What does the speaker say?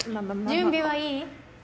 準備はいい？